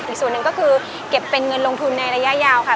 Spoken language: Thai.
อีกส่วนหนึ่งก็คือเก็บเป็นเงินลงทุนในระยะยาวค่ะ